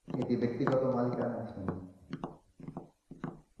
এটি ব্যক্তিগত মালিকানাধীন।